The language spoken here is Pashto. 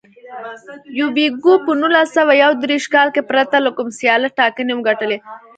یوبیکو په نولس سوه یو دېرش کال کې پرته له کوم سیاله ټاکنې وګټلې.